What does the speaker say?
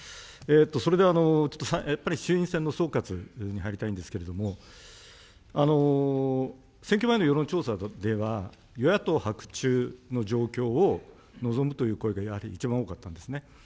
それでは、ちょっとやっぱり衆院選の総括に入りたいんですけれども、選挙前の世論調査では、与野党伯仲の状況を望むという声がやはり一番多かったんですね。